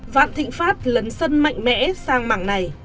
vạn thịnh pháp lấn sân mạnh mẽ sang mảng này